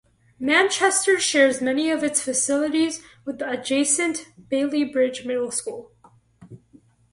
Manchester shares many of its facilities with the adjacent Bailey Bridge Middle School.